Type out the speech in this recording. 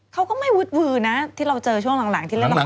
เขาก็ไม่วุดวือนะที่เราเจอช่วงหลังที่เล่นละคร